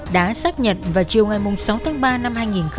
đã xác nhận vào chiều ngày sáu tháng ba năm hai nghìn một mươi ba